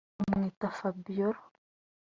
Bamwita Fabiola